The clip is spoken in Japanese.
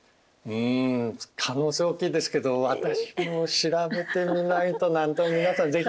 うん可能性大きいですけど私も調べてみないと何とも皆さん是非調べてみてください。